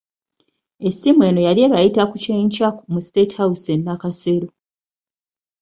Essimu eno yali ebayita ku kyenkya mu State House e Nakasero.